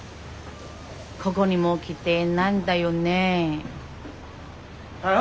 ここにも来てないんだよね。